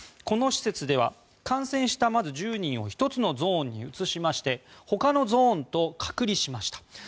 この施設では感染した１０人を１つのゾーンに移してほかのゾーンと隔離しました。